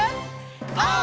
オー！